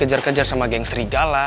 kejar kejar sama geng serigala